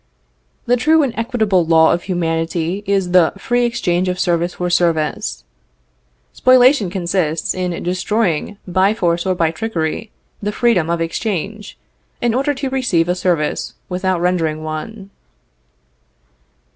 The true and equitable law of humanity is the free exchange of service for service. Spoliation consists in destroying by force or by trickery the freedom of exchange, in order to receive a service without rendering one.